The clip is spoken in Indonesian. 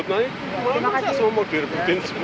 tapi saya semua mau direbutin semua